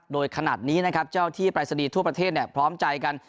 โดยขนาดนี้นะครับเจ้าที่ปรายศนีย์ทั่วประเทศพร้อมใจกัน